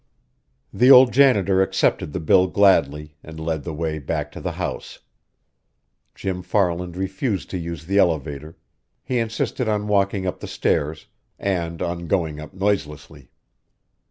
The old janitor accepted the bill gladly, and led the way back to the house. Jim Farland refused to use the elevator; he insisted on walking up the stairs, and on going up noiselessly.